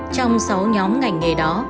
trong sáu nhóm ngành nghề đó